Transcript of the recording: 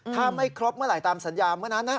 ถ้าไม่ครบเมื่อไหร่ตามสัญญาเมื่อนั้นนะ